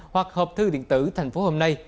hoặc hộp thư điện tử thành phố hôm nay